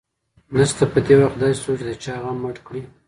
نشته په دې وخت کې داسې څوک چې د چا غم مړ کړي